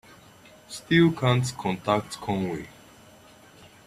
Still can't contact Conway.